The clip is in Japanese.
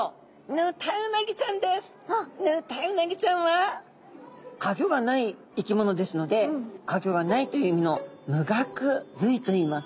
ヌタウナギちゃんはアギョがない生き物ですのでアギョがないという意味の無顎類といいます。